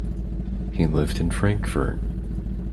He lived in Frankfurt.